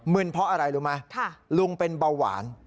เพราะอะไรรู้ไหมลุงเป็นเบาหวาน